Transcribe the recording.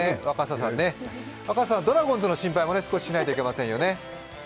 若狭さん、ドラゴンズの心配も少ししないといけませんね。